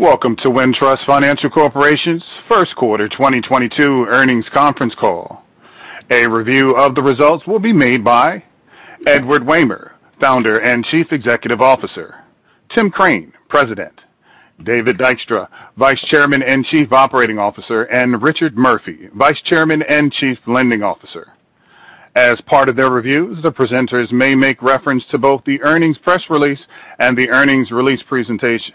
Welcome to Wintrust Financial Corporation's First Quarter 2022 Earnings Conference Call. A review of the results will be made by Edward Wehmer, Founder and Chief Executive Officer, Tim Crane, President, David Dykstra, Vice Chairman and Chief Operating Officer, and Richard Murphy, Vice Chairman and Chief Lending Officer. As part of their reviews, the presenters may make reference to both the earnings press release and the earnings release presentation.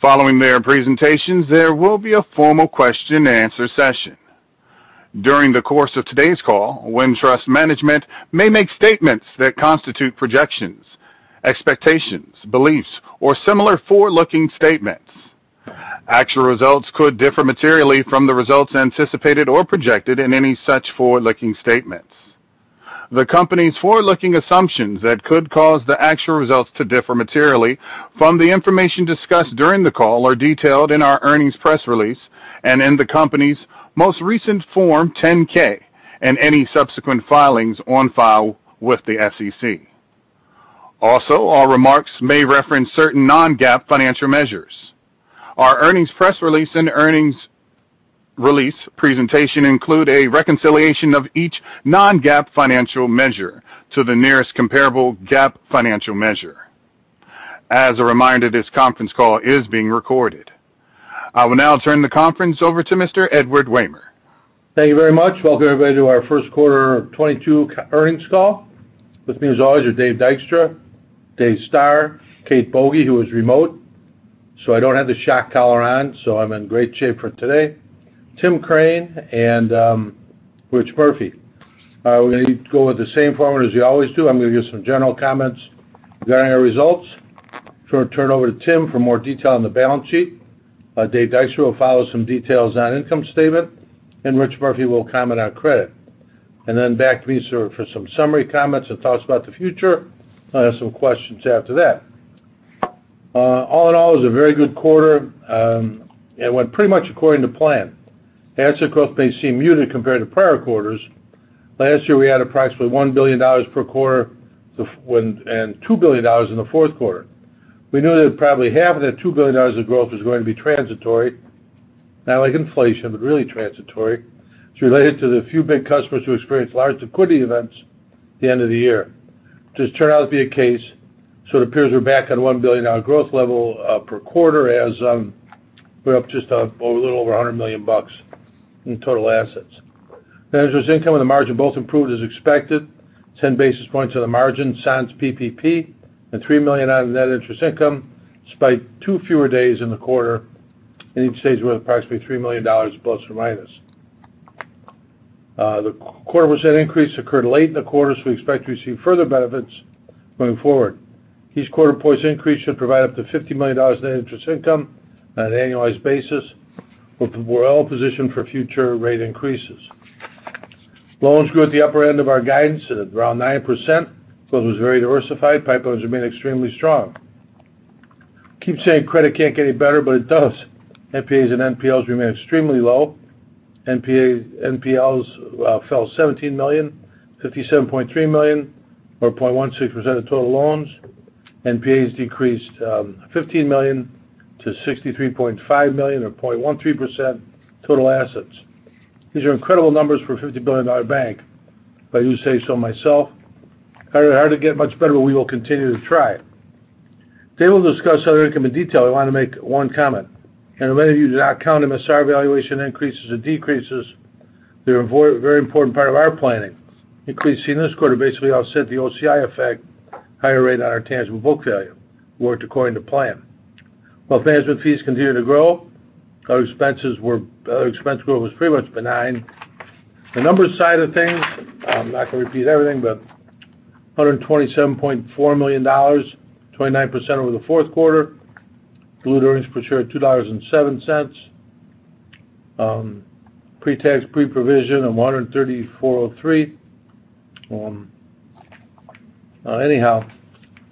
Following their presentations, there will be a formal question and answer session. During the course of today's call, Wintrust management may make statements that constitute projections, expectations, beliefs, or similar forward-looking statements. Actual results could differ materially from the results anticipated or projected in any such forward-looking statements. The company's forward-looking assumptions that could cause the actual results to differ materially from the information discussed during the call are detailed in our earnings press release and in the company's most recent Form 10-K and any subsequent filings on file with the SEC. Also, our remarks may reference certain non-GAAP financial measures. Our earnings press release and earnings release presentation include a reconciliation of each non-GAAP financial measure to the nearest comparable GAAP financial measure. As a reminder, this conference call is being recorded. I will now turn the conference over to Mr. Edward Wehmer. Thank you very much. Welcome, everybody, to our first quarter 2022 earnings call. With me, as always, are Dave Dykstra, Dave Stoehr, Kate Boege, who is remote, so I don't have the shock collar on, so I'm in great shape for today, Tim Crane, and Rich Murphy. We're going to go with the same format as we always do. I'm going to give some general comments regarding our results. I'm going to turn over to Tim for more detail on the balance sheet. Dave Dykstra will follow with some details on income statement, and Rich Murphy will comment on credit. Back to me sort of for some summary comments and thoughts about the future. I'll have some questions after that. All in all, it was a very good quarter, and went pretty much according to plan. Asset growth may seem muted compared to prior quarters. Last year, we had approximately $1 billion per quarter and $2 billion in the fourth quarter. We knew that probably half of that $2 billion of growth was going to be transitory, not like inflation, but really transitory. It's related to the few big customers who experienced large liquidity events at the end of the year. Just turned out to be the case, so it appears we're back at $1 billion growth level per quarter as we're up just a little over $100 million bucks in total assets. Net interest income and the margin both improved as expected. 10 basis points on the margin, sans PPP, and $3 million on net interest income, despite two fewer days in the quarter. Each day is worth approximately $3 million±. The rate increase occurred late in the quarter, so we expect to receive further benefits going forward. Each quarter-point increase should provide up to $50 million in net interest income on an annualized basis. We're well-positioned for future rate increases. Loans grew at the upper end of our guidance at around 9%. Growth was very diversified. Pipelines remain extremely strong. Keep saying credit can't get any better, but it does. NPAs and NPLs remain extremely low. NPLs fell $17 million to $57.3 million, or 0.16% of total loans. NPAs decreased $15 million to $63.5 million or 0.13% total assets. These are incredible numbers for a $50 billion bank, if I do say so myself. Hard to get much better, but we will continue to try. Dave will discuss other income in detail. I want to make one comment. Whether you count MSR valuation increases or decreases, they're a very important part of our planning. Increase seen this quarter basically offset the OCI effect higher rate on our tangible book value. Worked according to plan. While management fees continue to grow, expense growth was pretty much benign. The numbers side of things, I'm not going to repeat everything, but $127.4 million, 29% over the fourth quarter. Diluted earnings per share, $2.07. Pretax, preprovision of $134.03. Anyhow,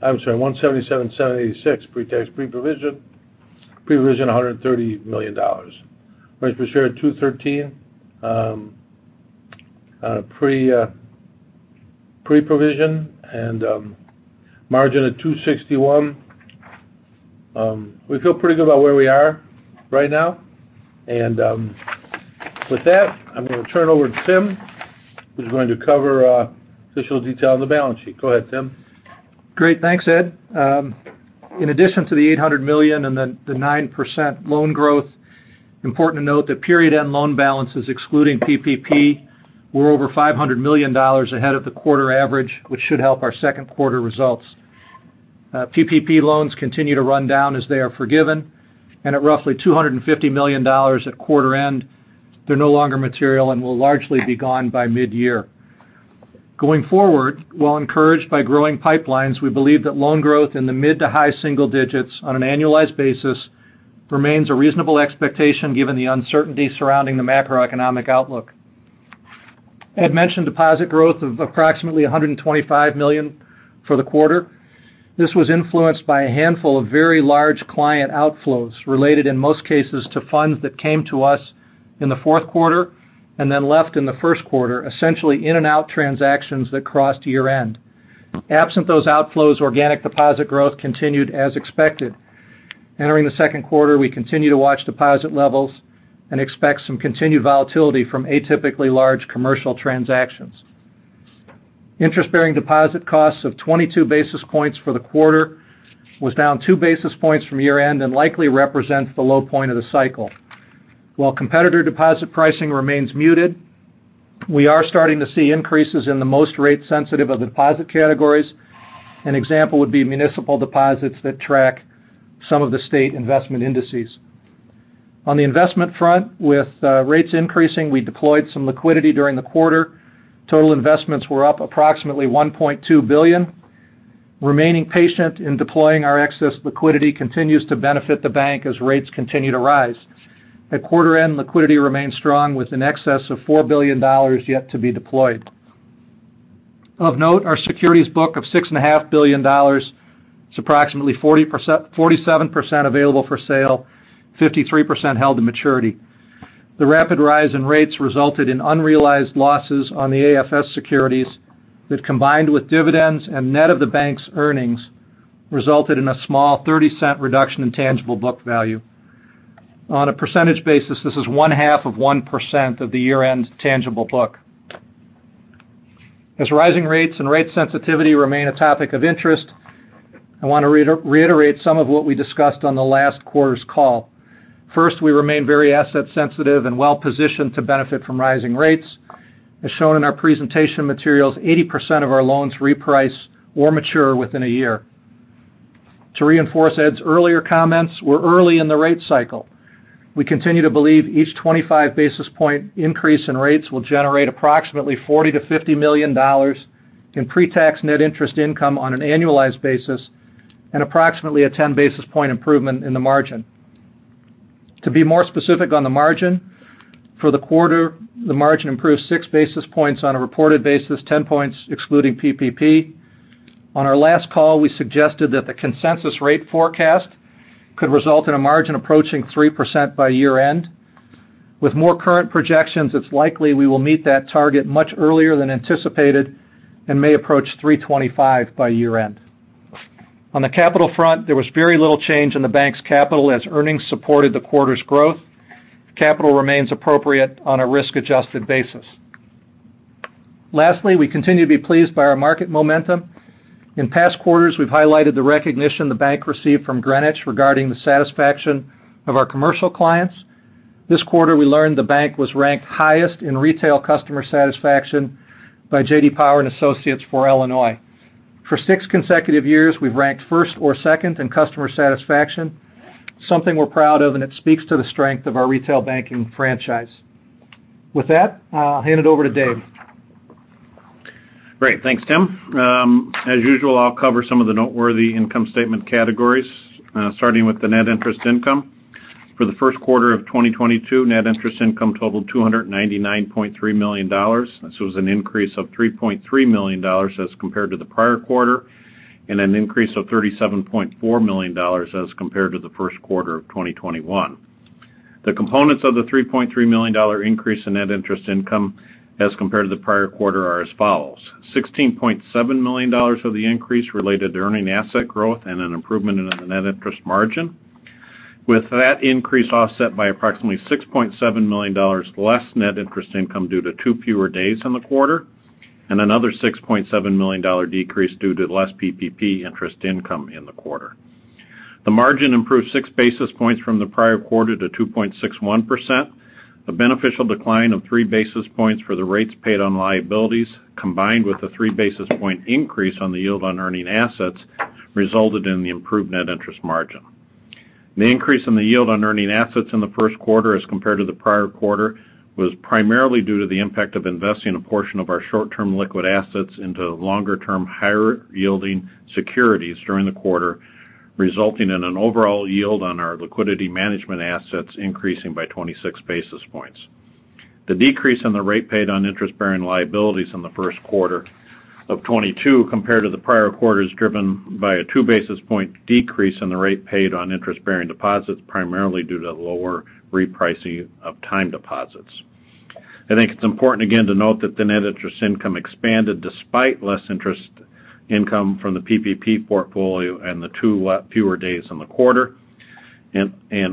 I'm sorry, $177.86 pretax, preprovision. Preprovision, $130 million. Earnings per share at $2.13. Preprovision and margin at 2.61%. We feel pretty good about where we are right now. With that, I'm gonna turn it over to Tim, who's going to cover financial detail on the balance sheet. Go ahead, Tim. Great. Thanks, Ed. In addition to the $800 million and the 9% loan growth, important to note that period-end loan balances excluding PPP were over $500 million ahead of the quarter average, which should help our second quarter results. PPP loans continue to run down as they are forgiven. At roughly $250 million at quarter end, they're no longer material and will largely be gone by mid-year. Going forward, while encouraged by growing pipelines, we believe that loan growth in the mid to high-single digits on an annualized basis remains a reasonable expectation given the uncertainty surrounding the macroeconomic outlook. Ed mentioned deposit growth of approximately $125 million for the quarter. This was influenced by a handful of very large client outflows related, in most cases, to funds that came to us in the fourth quarter and then left in the first quarter, essentially in and out transactions that crossed year-end. Absent those outflows, organic deposit growth continued as expected. Entering the second quarter, we continue to watch deposit levels and expect some continued volatility from atypically large commercial transactions. Interest-bearing deposit costs of 22 basis points for the quarter was down 2 basis points from year-end and likely represents the low point of the cycle. While competitor deposit pricing remains muted, we are starting to see increases in the most rate sensitive of the deposit categories. An example would be municipal deposits that track some of the state investment indices. On the investment front, with rates increasing, we deployed some liquidity during the quarter. Total investments were up approximately $1.2 billion. Remaining patient in deploying our excess liquidity continues to benefit the bank as rates continue to rise. At quarter end, liquidity remains strong with an excess of $4 billion yet to be deployed. Of note, our securities book of $6.5 billion is approximately 47% available for sale, 53% held to maturity. The rapid rise in rates resulted in unrealized losses on the AFS securities that, combined with dividends and net of the bank's earnings, resulted in a small $0.30 reduction in tangible book value. On a percentage basis, this is 0.5% of the year-end tangible book. As rising rates and rate sensitivity remain a topic of interest, I want to reiterate some of what we discussed on the last quarter's call. First, we remain very asset sensitive and well-positioned to benefit from rising rates. As shown in our presentation materials, 80% of our loans reprice or mature within a year. To reinforce Ed's earlier comments, we're early in the rate cycle. We continue to believe each 25 basis point increase in rates will generate approximately $40 million-$50 million in pretax net interest income on an annualized basis and approximately a 10 basis point improvement in the margin. To be more specific on the margin, for the quarter, the margin improved 6 basis points on a reported basis, 10 points excluding PPP. On our last call, we suggested that the consensus rate forecast could result in a margin approaching 3% by year-end. With more current projections, it's likely we will meet that target much earlier than anticipated and may approach 3.25% by year-end. On the capital front, there was very little change in the bank's capital as earnings supported the quarter's growth. Capital remains appropriate on a risk-adjusted basis. Lastly, we continue to be pleased by our market momentum. In past quarters, we've highlighted the recognition the bank received from Greenwich regarding the satisfaction of our commercial clients. This quarter, we learned the bank was ranked highest in retail customer satisfaction by J.D. Power and Associates for Illinois. For six consecutive years, we've ranked first or second in customer satisfaction, something we're proud of, and it speaks to the strength of our retail banking franchise. With that, I'll hand it over to Dave. Great. Thanks, Tim. As usual, I'll cover some of the noteworthy income statement categories, starting with the net interest income. For the first quarter of 2022, net interest income totaled $299.3 million. This was an increase of $3.3 million as compared to the prior quarter and an increase of $37.4 million as compared to the first quarter of 2021. The components of the $3.3 million dollar increase in net interest income as compared to the prior quarter are as follows. $16.7 million of the increase related to earning asset growth and an improvement in the net interest margin. With that increase offset by approximately $6.7 million less net interest income due to two fewer days in the quarter and another $6.7 million decrease due to less PPP interest income in the quarter. The margin improved 6 basis points from the prior quarter to 2.61%. A beneficial decline of 3 basis points for the rates paid on liabilities, combined with a 3 basis point increase on the yield on earning assets, resulted in the improved net interest margin. The increase in the yield on earning assets in the first quarter as compared to the prior quarter was primarily due to the impact of investing a portion of our short-term liquid assets into longer-term, higher-yielding securities during the quarter, resulting in an overall yield on our liquidity management assets increasing by 26 basis points. The decrease in the rate paid on interest-bearing liabilities in the first quarter of 2022 compared to the prior quarter is driven by a 2 basis point decrease in the rate paid on interest-bearing deposits, primarily due to lower repricing of time deposits. I think it's important again to note that the net interest income expanded despite less interest income from the PPP portfolio and the two fewer days in the quarter.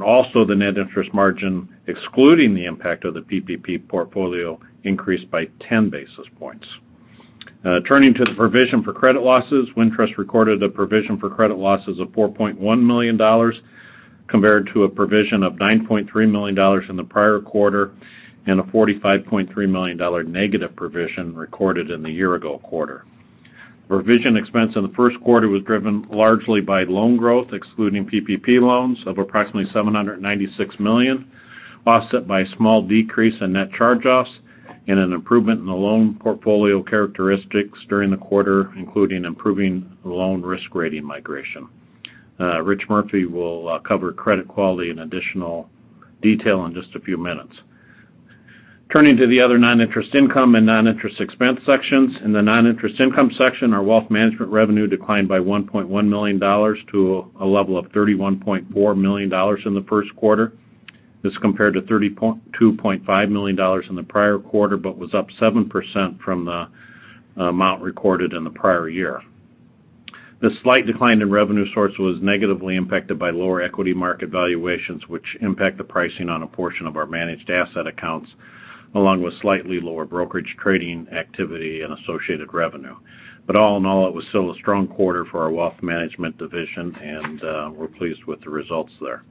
Also the net interest margin, excluding the impact of the PPP portfolio, increased by 10 basis points. Turning to the provision for credit losses. Wintrust recorded a provision for credit losses of $4.1 million, compared to a provision of $9.3 million in the prior quarter and a $45.3 million negative provision recorded in the year-ago quarter. Provision expense in the first quarter was driven largely by loan growth, excluding PPP loans, of approximately $796 million, offset by a small decrease in net charge-offs and an improvement in the loan portfolio characteristics during the quarter, including improving loan risk rating migration. Rich Murphy will cover credit quality in additional detail in just a few minutes. Turning to the other non-interest income and non-interest expense sections. In the non-interest income section, our wealth management revenue declined by $1.1 million to a level of $31.4 million in the first quarter. This compared to $32.5 million in the prior quarter, but was up 7% from the amount recorded in the prior year. The slight decline in revenues was negatively impacted by lower equity market valuations, which impact the pricing on a portion of our managed asset accounts, along with slightly lower brokerage trading activity and associated revenue. All in all, it was still a strong quarter for our wealth management division, and we're pleased with the results there.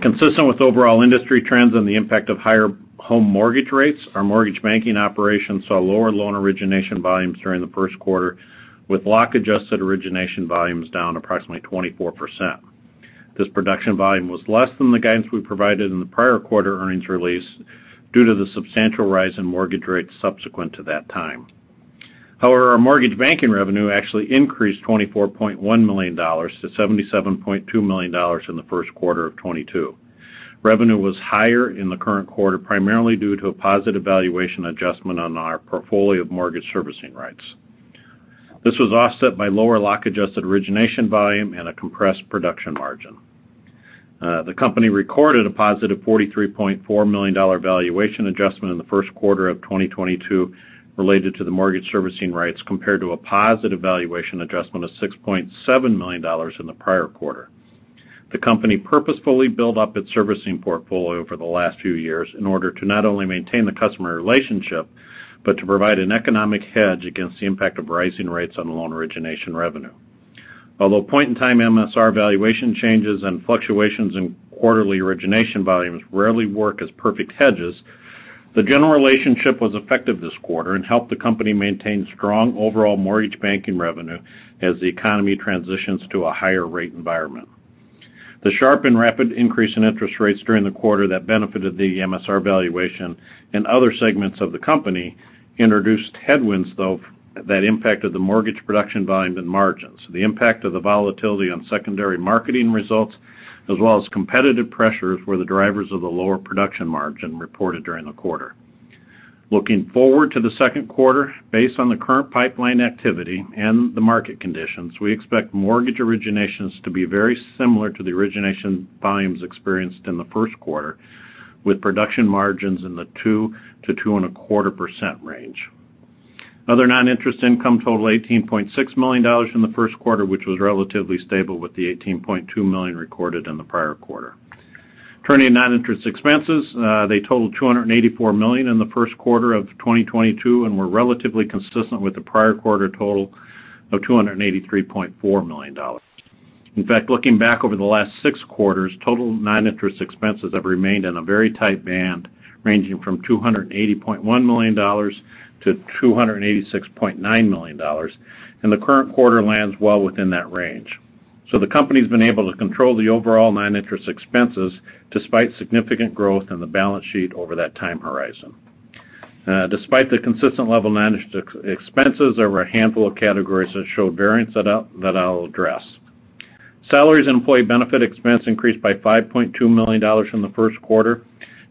Consistent with overall industry trends and the impact of higher home mortgage rates, our mortgage banking operations saw lower loan origination volumes during the first quarter, with lock adjusted origination volumes down approximately 24%. This production volume was less than the guidance we provided in the prior quarter earnings release due to the substantial rise in mortgage rates subsequent to that time. However, our mortgage banking revenue actually increased $24.1 million to $77.2 million in the first quarter of 2022. Revenue was higher in the current quarter, primarily due to a positive valuation adjustment on our portfolio of mortgage servicing rights. This was offset by lower lock adjusted origination volume and a compressed production margin. The company recorded a +$43.4 million valuation adjustment in the first quarter of 2022 related to the mortgage servicing rights, compared to a positive valuation adjustment of $6.7 million in the prior quarter. The company purposefully built up its servicing portfolio over the last few years in order to not only maintain the customer relationship, but to provide an economic hedge against the impact of rising rates on loan origination revenue. Although point-in-time MSR valuation changes and fluctuations in quarterly origination volumes rarely work as perfect hedges, the general relationship was effective this quarter and helped the company maintain strong overall mortgage banking revenue as the economy transitions to a higher rate environment. The sharp and rapid increase in interest rates during the quarter that benefited the MSR valuation and other segments of the company introduced headwinds, though, that impacted the mortgage production volume and margins. The impact of the volatility on secondary marketing results as well as competitive pressures were the drivers of the lower production margin reported during the quarter. Looking forward to the second quarter, based on the current pipeline activity and the market conditions, we expect mortgage originations to be very similar to the origination volumes experienced in the first quarter, with production margins in the 2%-2.25% range. Other non-interest income totaled $18.6 million in the first quarter, which was relatively stable with the $18.2 million recorded in the prior quarter. Turning to non-interest expenses, they totaled $284 million in the first quarter of 2022 and were relatively consistent with the prior quarter total of $283.4 million. In fact, looking back over the last six quarters, total non-interest expenses have remained in a very tight band, ranging from $280.1 million to $286.9 million, and the current quarter lands well within that range. The company's been able to control the overall non-interest expenses despite significant growth in the balance sheet over that time horizon. Despite the consistent level of managed expenses, there were a handful of categories that showed variance that I'll address. Salaries and employee benefit expense increased by $5.2 million in the first quarter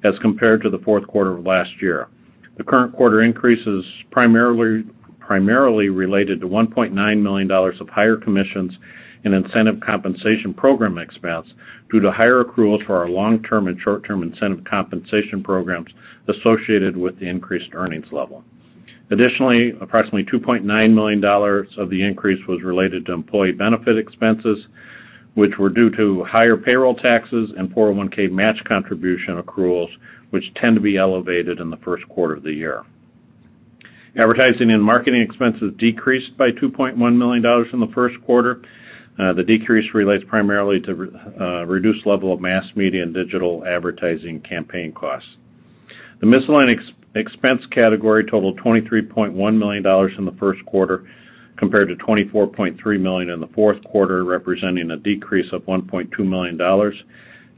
as compared to the fourth quarter of last year. The current quarter increase is primarily related to $1.9 million of higher commissions and incentive compensation program expense due to higher accruals for our long-term and short-term incentive compensation programs associated with the increased earnings level. Additionally, approximately $2.9 million of the increase was related to employee benefit expenses, which were due to higher payroll taxes and 401(k) match contribution accruals, which tend to be elevated in the first quarter of the year. Advertising and marketing expenses decreased by $2.1 million in the first quarter. The decrease relates primarily to reduced level of mass media and digital advertising campaign costs. The miscellaneous expense category totaled $23.1 million in the first quarter, compared to $24.3 million in the fourth quarter, representing a decrease of $1.2 million,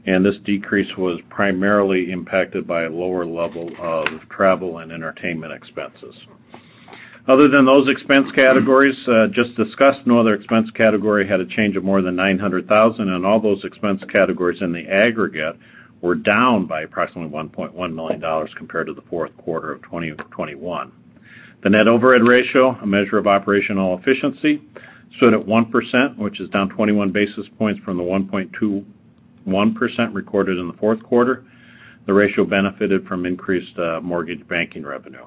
and this decrease was primarily impacted by a lower level of travel and entertainment expenses. Other than those expense categories just discussed, no other expense category had a change of more than $900,000, and all those expense categories in the aggregate were down by approximately $1.1 million compared to the fourth quarter of 2021. The net overhead ratio, a measure of operational efficiency, stood at 1%, which is down 21 basis points from the 1.21% recorded in the fourth quarter. The ratio benefited from increased mortgage banking revenue.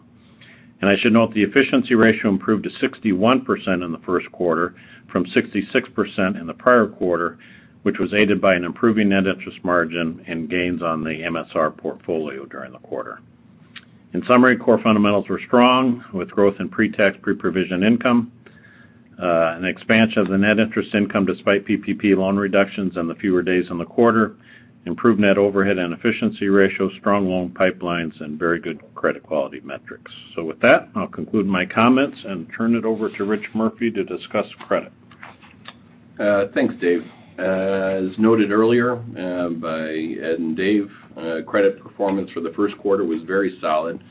I should note the efficiency ratio improved to 61% in the first quarter from 66% in the prior quarter, which was aided by an improving net interest margin and gains on the MSR portfolio during the quarter. In summary, core fundamentals were strong with growth in pre-tax, pre-provision income, an expansion of the net interest income despite PPP loan reductions and the fewer days in the quarter, improved net overhead and efficiency ratio, strong loan pipelines and very good credit quality metrics. With that, I'll conclude my comments and turn it over to Rich Murphy to discuss credit. Thanks, Dave. As noted earlier, by Ed and Dave, credit performance for the first quarter was very solid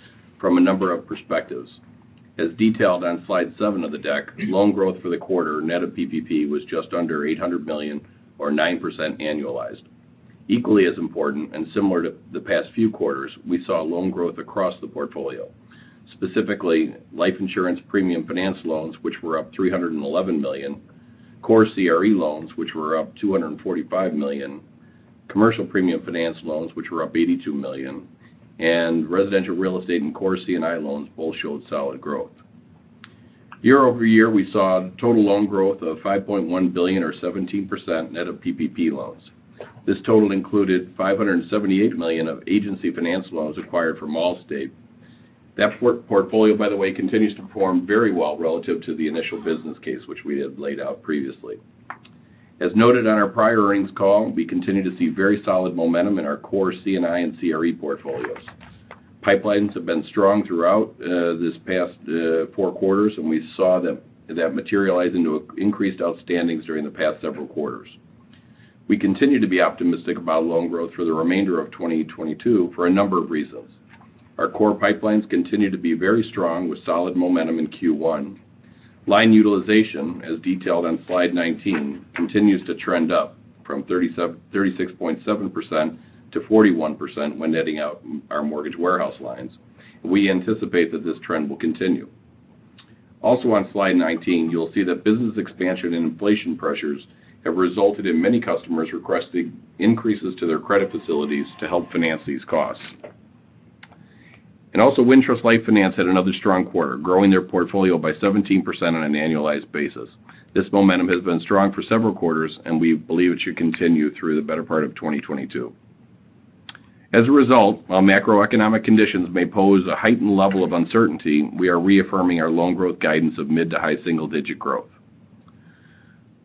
from a number of perspectives. As detailed on slide seven of the deck, loan growth for the quarter, net of PPP, was just under $800 million or 9% annualized. Equally as important, and similar to the past few quarters, we saw loan growth across the portfolio, specifically life insurance premium finance loans, which were up $311 million. Core CRE loans, which were up $245 million. Commercial premium finance loans, which were up $82 million. Residential real estate and core C&I loans both showed solid growth. Year-over-year, we saw total loan growth of $5.1 billion or 17% net of PPP loans. This total included $578 million of agency finance loans acquired from Allstate. That portfolio, by the way, continues to perform very well relative to the initial business case which we have laid out previously. As noted on our prior earnings call, we continue to see very solid momentum in our core C&I and CRE portfolios. Pipelines have been strong throughout this past four quarters, and we saw that materialize into increased outstandings during the past several quarters. We continue to be optimistic about loan growth for the remainder of 2022 for a number of reasons. Our core pipelines continue to be very strong with solid momentum in Q1. Line utilization, as detailed on slide 19, continues to trend up from 36.7% to 41% when netting out our mortgage warehouse lines. We anticipate that this trend will continue. Also on slide 19, you'll see that business expansion and inflation pressures have resulted in many customers requesting increases to their credit facilities to help finance these costs. Also, Wintrust Life Finance had another strong quarter, growing their portfolio by 17% on an annualized basis. This momentum has been strong for several quarters, and we believe it should continue through the better part of 2022. As a result, while macroeconomic conditions may pose a heightened level of uncertainty, we are reaffirming our loan growth guidance of mid- to high-single-digit growth.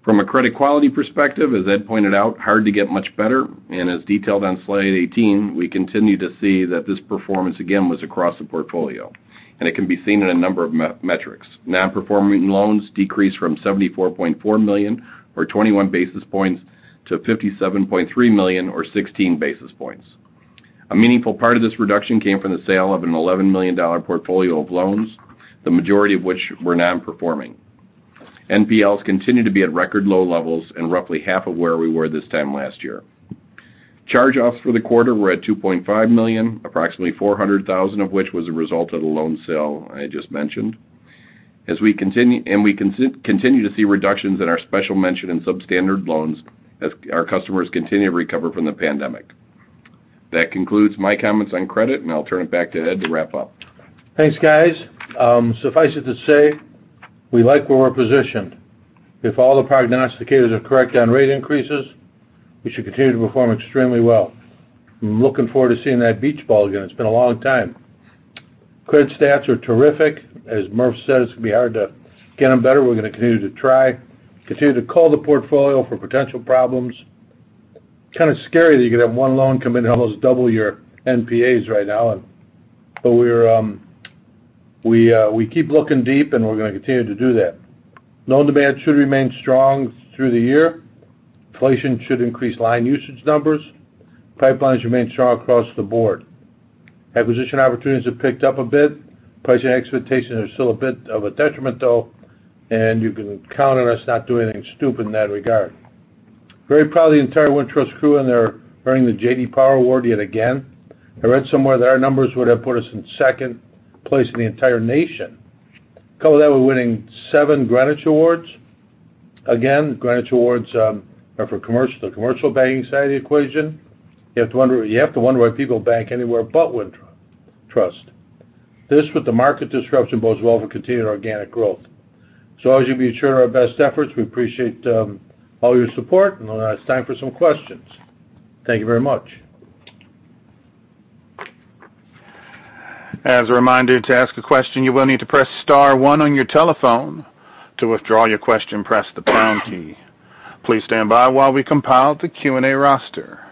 From a credit quality perspective, as Ed pointed out, hard to get much better. As detailed on slide 18, we continue to see that this performance, again, was across the portfolio, and it can be seen in a number of metrics. Non-performing loans decreased from $74.4 million or 21 basis points to $57.3 million or 16 basis points. A meaningful part of this reduction came from the sale of a $11 million portfolio of loans, the majority of which were non-performing. NPLs continue to be at record low levels and roughly half of where we were this time last year. Charge-offs for the quarter were at $2.5 million, approximately $400,000 of which was a result of the loan sale I just mentioned. We continue to see reductions in our special mention and substandard loans as our customers continue to recover from the pandemic. That concludes my comments on credit, and I'll turn it back to Ed to wrap up. Thanks, guys. Suffice it to say, we like where we're positioned. If all the prognosticators are correct on rate increases, we should continue to perform extremely well. I'm looking forward to seeing that beach ball again. It's been a long time. Credit stats are terrific. As Murph said, it's going to be hard to get them better. We're going to continue to try, continue to call the portfolio for potential problems. Kind of scary that you could have one loan come in and almost double your NPAs right now. We're, we keep looking deep, and we're going to continue to do that. Loan demand should remain strong through the year. Inflation should increase line usage numbers. Pipelines remain strong across the board. Acquisition opportunities have picked up a bit. Pricing expectations are still a bit of a detriment, though, and you can count on us not doing anything stupid in that regard. Very proud of the entire Wintrust crew, and they're earning the J.D. Power Award yet again. I read somewhere that our numbers would have put us in second place in the entire nation. Couple that with winning seven Greenwich Awards. Again, Greenwich Awards are for commercial, the commercial banking side of the equation. You have to wonder why people bank anywhere but Wintrust. This, with the market disruption, bodes well for continued organic growth. As you can be sure of our best efforts, we appreciate all your support. Now it's time for some questions. Thank you very much. As a reminder, to ask a question, you will need to press star one on your telephone. To withdraw your question, press the pound key. Please stand by while we compile the Q&A roster.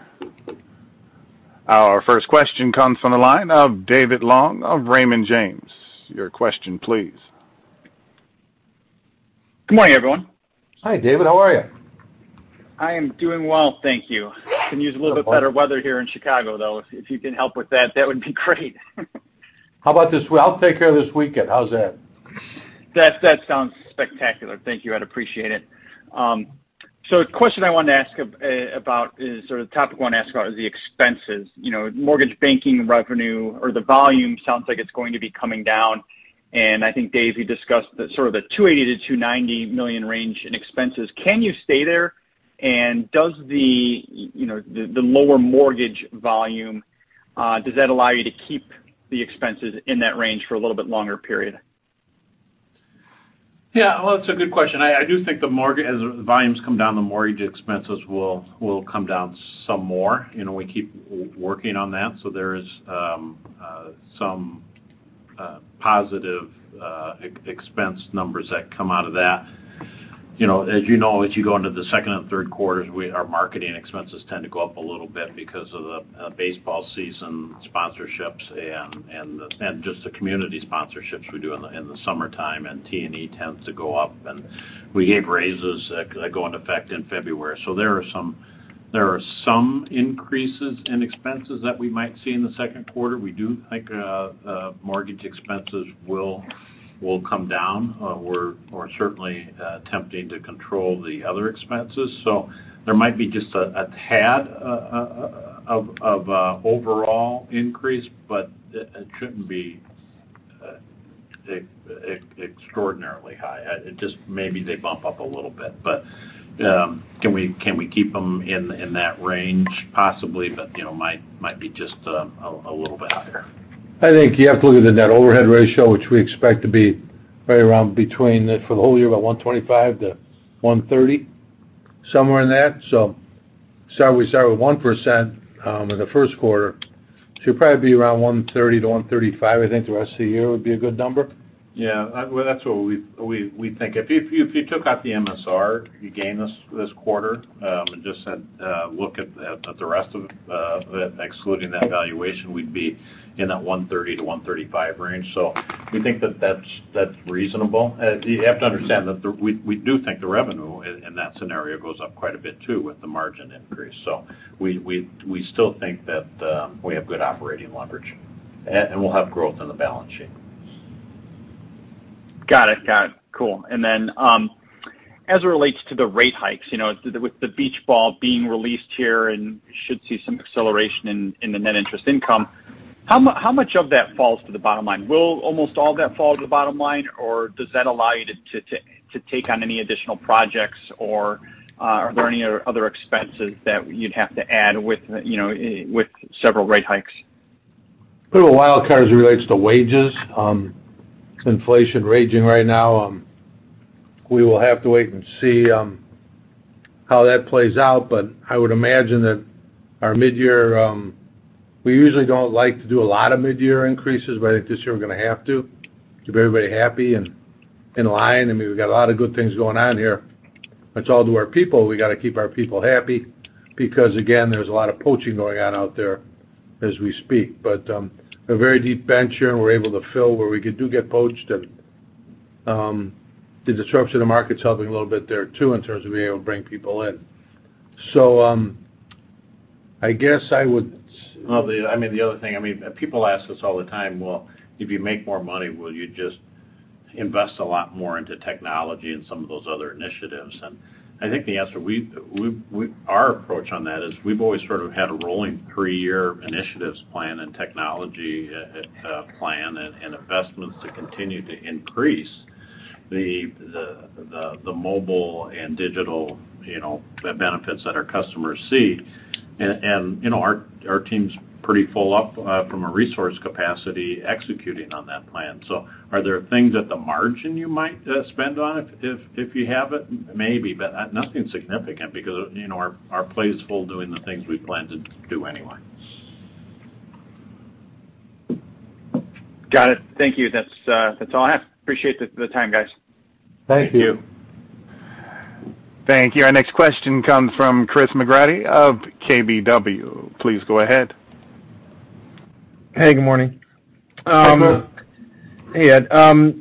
Our first question comes from the line of David Long of Raymond James. Your question, please. Good morning, everyone. Hi, David. How are you? I am doing well, thank you. I can use a little bit better weather here in Chicago, though. If you can help with that would be great. How about this? I'll take care of this weekend. How's that? That sounds spectacular. Thank you. I'd appreciate it. So the question I wanted to ask about is, or the topic I want to ask about is the expenses. You know, mortgage banking revenue or the volume sounds like it's going to be coming down. I think, Dave, you discussed the sort of $280 million-$290 million range in expenses. Can you stay there? Does the lower mortgage volume, you know, allow you to keep the expenses in that range for a little bit longer period? Yeah. Well, that's a good question. I do think the mortgage as volumes come down, the mortgage expenses will come down some more. You know, we keep working on that. There is some positive expense numbers that come out of that. You know, as you know, as you go into the second and third quarters, our marketing expenses tend to go up a little bit because of the baseball season sponsorships and the community sponsorships we do in the summertime, and T&E tends to go up, and we gave raises that go into effect in February. There are some increases in expenses that we might see in the second quarter. We do think mortgage expenses will come down. We're certainly attempting to control the other expenses. There might be just a tad of overall increase, but it shouldn't be Extraordinarily high. It just maybe they bump up a little bit. Can we keep them in that range? Possibly, but you know, might be just a little bit higher. I think you have to look at the net overhead ratio, which we expect to be right around for the whole year, about 1.25%-1.30%, somewhere in that. Start with 1% in the first quarter. Probably be around 1.30%-1.35%, I think the rest of the year would be a good number. Yeah. Well, that's what we think. If you took out the MSR you gained this quarter and just said look at the rest of it excluding that valuation, we'd be in that $1.30-$1.35 range. We think that's reasonable. You have to understand that we do think the revenue in that scenario goes up quite a bit too with the margin increase. We still think that we have good operating leverage and we'll have growth in the balance sheet. Got it. Cool. As it relates to the rate hikes, you know, with the beach ball being released here and should see some acceleration in the net interest income, how much of that falls to the bottom line? Will almost all that fall to the bottom line, or does that allow you to take on any additional projects or are there any other expenses that you'd have to add with, you know, with several rate hikes? Put a wild card as it relates to wages. Inflation raging right now. We will have to wait and see how that plays out. I would imagine that our mid-year. We usually don't like to do a lot of mid-year increases, but I think this year we're going to have to keep everybody happy and in line. I mean, we've got a lot of good things going on here. It's all to our people. We got to keep our people happy because again, there's a lot of poaching going on out there as we speak. A very deep bench here, and we're able to fill where we could get poached. The disruption of the market's helping a little bit there too in terms of being able to bring people in. I guess I would- Well, I mean, the other thing, I mean, people ask us all the time, "Well, if you make more money, will you just invest a lot more into technology and some of those other initiatives?" I think the answer our approach on that is we've always sort of had a rolling three-year initiatives plan and technology plan and investments to continue to increase the mobile and digital, you know, the benefits that our customers see. You know, our team's pretty full up from a resource capacity executing on that plan. Are there things at the margin you might spend on if you have it? Maybe, but nothing significant because, you know, our plate is full doing the things we plan to do anyway. Got it. Thank you. That's all I have. Appreciate the time, guys. Thank you. Thank you. Thank you. Our next question comes from Chris McGratty of KBW. Please go ahead. Hey, good morning. Hi, Chris. Hey, Ed.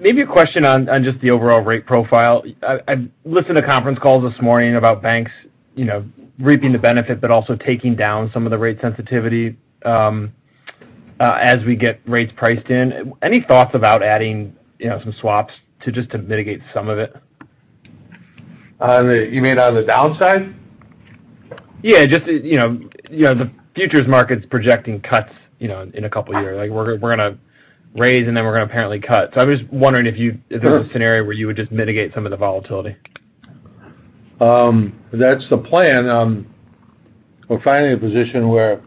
Maybe a question on just the overall rate profile. I listened to conference calls this morning about banks, you know, reaping the benefit but also taking down some of the rate sensitivity, as we get rates priced in. Any thoughts about adding, you know, some swaps to just to mitigate some of it? You mean on the downside? Yeah, just, you know, the futures market's projecting cuts, you know, in a couple of years. Like, we're going to raise and then we're going to apparently cut. I'm just wondering if you- Sure. If there's a scenario where you would just mitigate some of the volatility. That's the plan. We're finally in a position where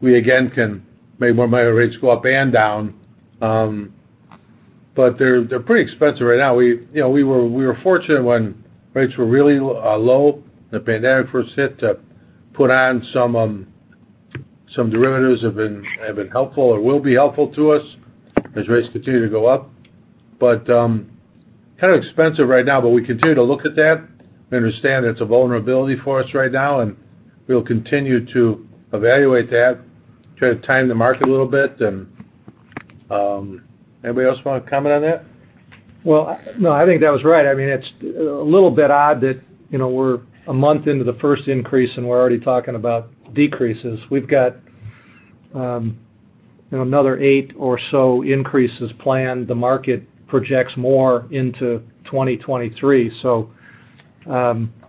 we again can make more money, rates go up and down. They're pretty expensive right now. You know, we were fortunate when rates were really low, the pandemic first hit to put on some derivatives have been helpful or will be helpful to us as rates continue to go up. Kind of expensive right now, but we continue to look at that. We understand it's a vulnerability for us right now, and we'll continue to evaluate that, try to time the market a little bit. Anybody else want to comment on that? Well, no, I think that was right. I mean, it's a little bit odd that, you know, we're a month into the first increase and we're already talking about decreases. We've got, you know, another eight or so increases planned. The market projects more into 2023.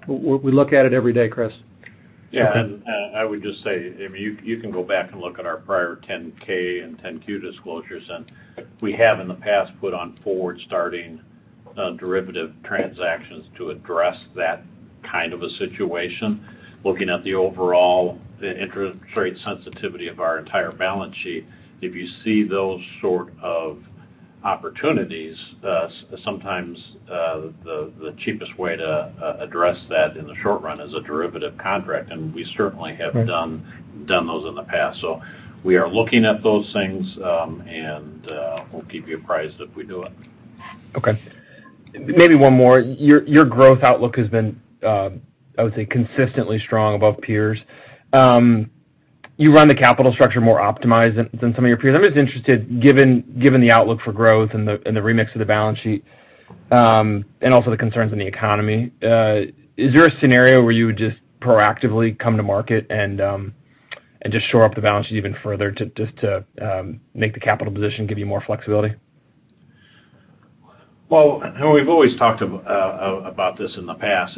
We look at it every day, Chris. Yeah. I would just say, I mean, you can go back and look at our prior 10-K and 10-Q disclosures. We have in the past put on forward starting derivative transactions to address that kind of a situation. Looking at the overall interest rate sensitivity of our entire balance sheet, if you see those sort of opportunities, sometimes the cheapest way to address that in the short run is a derivative contract, and we certainly have done those in the past. We are looking at those things, and we'll keep you apprised if we do it. Okay. Maybe one more. Your growth outlook has been, I would say, consistently strong above peers. You run the capital structure more optimized than some of your peers. I'm just interested, given the outlook for growth and the remix of the balance sheet, and also the concerns in the economy, is there a scenario where you would just proactively come to market and just shore up the balance sheet even further to make the capital position give you more flexibility? Well, you know, we've always talked about this in the past.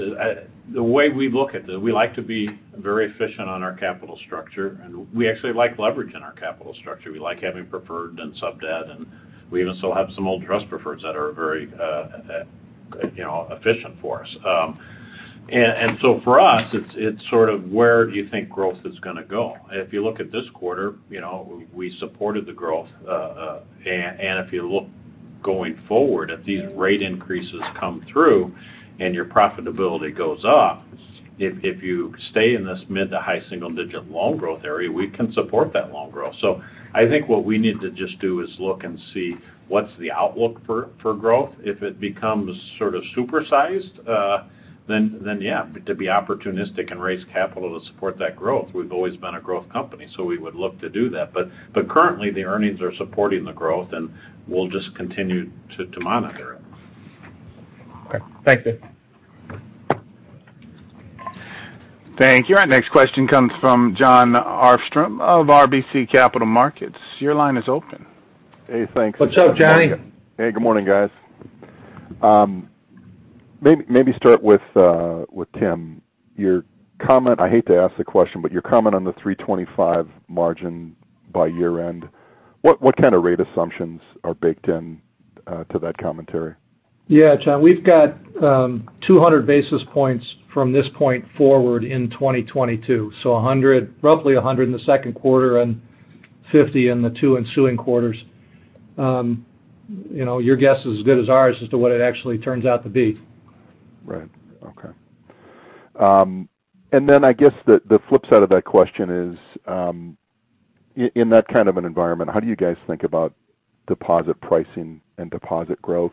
The way we look at it, we like to be very efficient on our capital structure, and we actually like leverage in our capital structure. We like having preferred and sub-debt, and we even still have some old trust preferreds that are very, you know, efficient for us. For us, it's sort of where do you think growth is gonna go? If you look at this quarter, you know, we supported the growth. If you look going forward, if these rate increases come through and your profitability goes up, if you stay in this mid to high single-digit loan growth area, we can support that loan growth. I think what we need to just do is look and see what's the outlook for growth. If it becomes sort of supersized, then yeah, to be opportunistic and raise capital to support that growth. We've always been a growth company, so we would look to do that. Currently, the earnings are supporting the growth, and we'll just continue to monitor it. Okay. Thanks, Dave. Thank you. Our next question comes from Jon Arfstrom of RBC Capital Markets. Your line is open. Hey, thanks. What's up, Johnny? Hey, good morning, guys. Maybe start with Tim. Your comment, I hate to ask the question, but your comment on the 3.25% margin by year-end, what kind of rate assumptions are baked in to that commentary? Yeah. John, we've got 200 basis points from this point forward in 2022. Roughly 100 in the second quarter and 50 in the two ensuing quarters. You know, your guess is as good as ours as to what it actually turns out to be. Right. Okay. I guess the flip side of that question is, in that kind of an environment, how do you guys think about deposit pricing and deposit growth?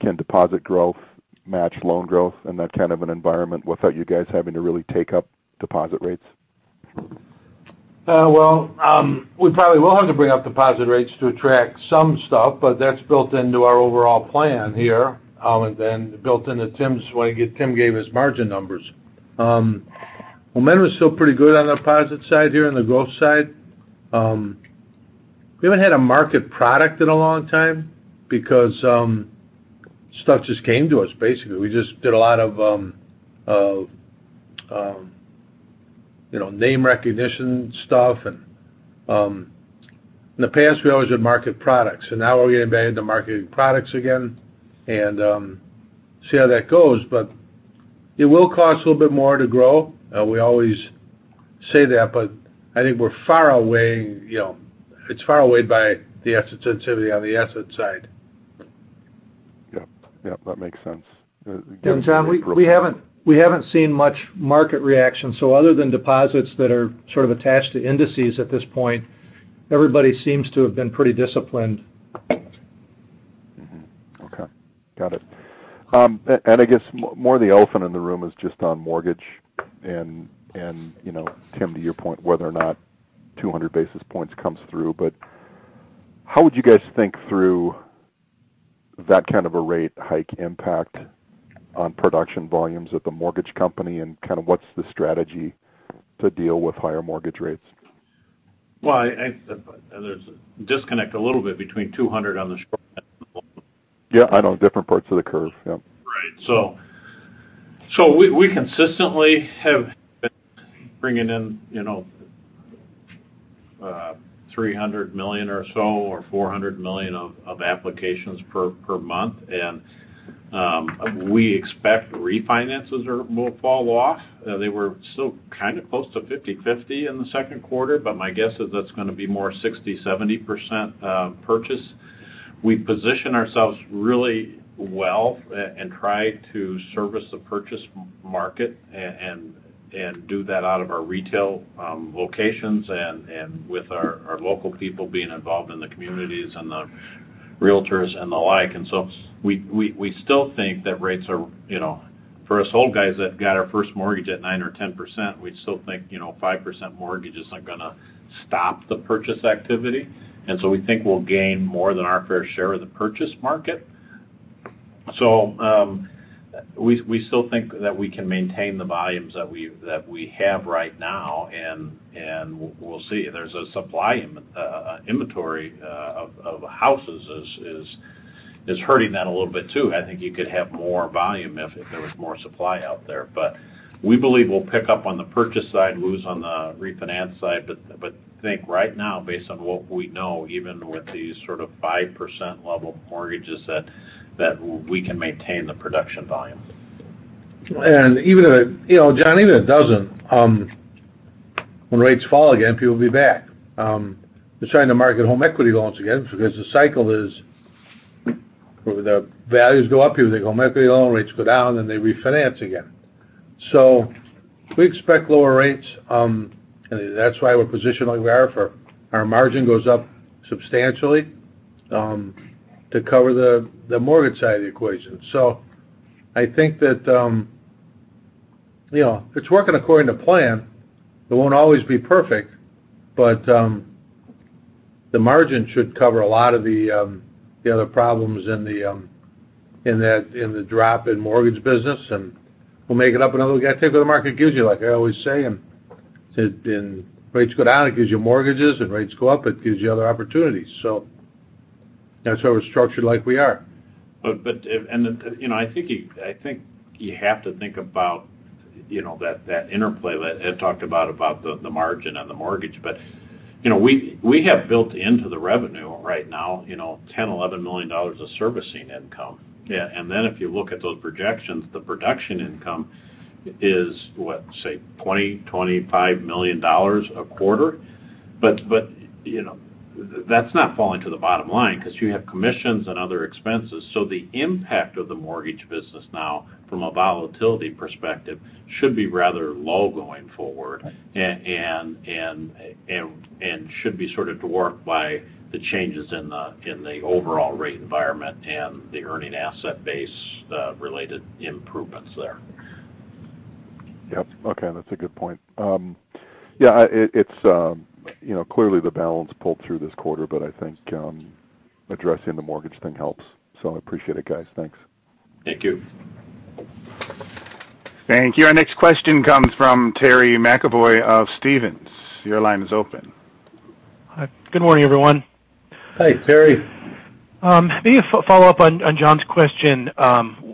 Can deposit growth match loan growth in that kind of an environment without you guys having to really take up deposit rates? We probably will have to bring up deposit rates to attract some stuff, but that's built into our overall plan here, and then built into Tim's way, Tim gave his margin numbers. Momentum is still pretty good on the deposit side here and the growth side. We haven't had a marketing product in a long time because, stuff just came to us, basically. We just did a lot of, you know, name recognition stuff. In the past, we always did marketing products, and now we're getting back into marketing products again and, see how that goes. It will cost a little bit more to grow. We always say that, but I think we're far away, you know, it's far away by the asset sensitivity on the asset side. Yep. Yep, that makes sense. Again, great growth. Jon, we haven't seen much market reaction. Other than deposits that are sort of attached to indices at this point, everybody seems to have been pretty disciplined. Okay. Got it. I guess more the elephant in the room is just on mortgage and you know, Tim, to your point, whether or not 200 basis points comes through. How would you guys think through that kind of a rate hike impact on production volumes at the mortgage company, and kind of what's the strategy to deal with higher mortgage rates? Well, there's a disconnect a little bit between 200 on the short. Yeah, I know. Different parts of the curve. Yep. Right. We consistently have been bringing in, you know, 300 million or so or 400 million applications per month. We expect refinances will fall off. They were still kind of close to 50/50 in the second quarter, but my guess is that's gonna be more 60%-70% purchase. We position ourselves really well and try to service the purchase market and do that out of our retail locations and with our local people being involved in the communities and the realtors and the like. We still think that rates are, you know, for us old guys that got our first mortgage at 9%-10%, we still think, you know, 5% mortgages aren't gonna stop the purchase activity. We think we'll gain more than our fair share of the purchase market. We still think that we can maintain the volumes that we have right now, and we'll see. There's a supply and inventory of houses is hurting that a little bit too. I think you could have more volume if there was more supply out there. We believe we'll pick up on the purchase side, lose on the refinance side. We think right now, based on what we know, even with these sort of 5% level mortgages, that we can maintain the production volume. Even if, you know, John, even if it doesn't, when rates fall again, people will be back. They're starting to market home equity loans again because the cycle is where the values go up, people think, "Oh, my equity loan rates go down," then they refinance again. We expect lower rates. That's why we're positioned like we are, for our margin goes up substantially, to cover the mortgage side of the equation. I think that, you know, it's working according to plan. It won't always be perfect, but the margin should cover a lot of the other problems in the drop in mortgage business, and we'll make it up. Then we got to take what the market gives you, like I always say, and it's been rates go down, it gives you mortgages, and rates go up, it gives you other opportunities. That's why we're structured like we are. You know, I think you have to think about, you know, that interplay that Ed talked about the margin on the mortgage. You know, we have built into the revenue right now, you know, $10 million-$11 million of servicing income. Yeah. Then if you look at those projections, the production income is, what? Say $20 million-$25 million a quarter. You know, that's not falling to the bottom line because you have commissions and other expenses. The impact of the mortgage business now from a volatility perspective should be rather low going forward. Right. should be sort of dwarfed by the changes in the overall rate environment and the earning asset base related improvements there. Yep. Okay, that's a good point. Yeah, it's you know, clearly the balance pulled through this quarter, but I think addressing the mortgage thing helps. I appreciate it, guys. Thanks. Thank you. Thank you. Our next question comes from Terry McEvoy of Stephens. Your line is open. Hi. Good morning, everyone. Hi, Terry. Maybe a follow-up on John's question.